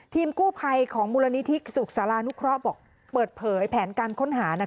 ทีมกู้ภัยของมูลนิธิสุขศาลานุเคราะห์บอกเปิดเผยแผนการค้นหา